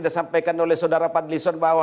disampaikan oleh saudara pak adelison bahwa